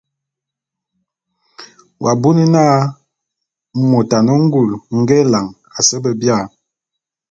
W'abuni na môt a ne ngul nge élan à se be bia?